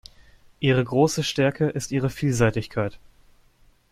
Ihre große Stärke ist ihre Vielseitigkeit.